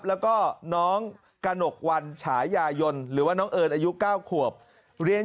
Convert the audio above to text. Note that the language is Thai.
แล้วก็น้องกระหนกวันฉายายนหรือว่าน้องเอิญอายุ๙ขวบเรียน